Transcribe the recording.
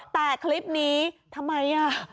แต่คลิปนี้ทำไมอ่ะ